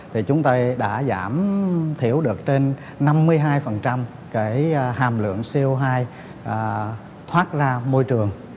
thì chúng tôi đã giảm thiểu được trên năm mươi hai cái hàm lượng co hai thoát ra môi trường